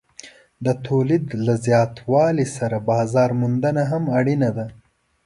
د تولید له زیاتوالي سره بازار موندنه هم اړینه ده.